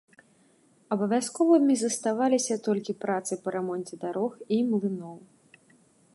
Абавязковымі заставаліся толькі працы па рамонце дарог і млыноў.